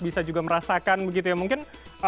bisa juga merasakan begitu ya mungkin